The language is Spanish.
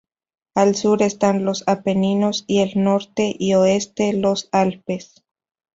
Al sur están los Apeninos, y el norte y oeste, los Alpes.